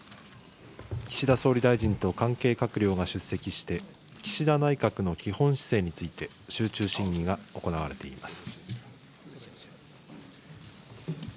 岸田総理大臣と関係閣僚が出席して、岸田内閣の基本姿勢について、集中審議が行われています。